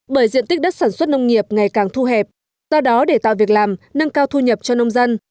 bởi diện tích đất sản xuất nông nghiệp ngày càng thu hẹp do đó để tạo việc làm nâng cao thu nhập cho nông dân